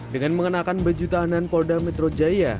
dengan mengenakan baju tahanan polda metro jaya